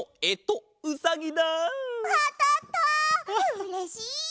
うれしい！